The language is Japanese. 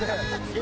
今。